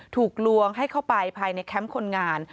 ถูกลวงให้เข้าไปภายในแคมป์คนงาน